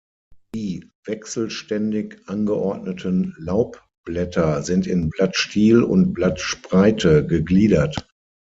Die wechselständig angeordneten Laubblätter sind in Blattstiel und Blattspreite gegliedert.